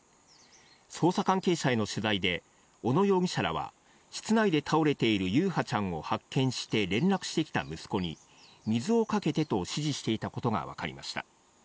捜査関係者への取材で、小野容疑者らは室内で倒れている優陽ちゃんを発見して連絡してきた息子に、水をかけてと指示していたことが分かりました。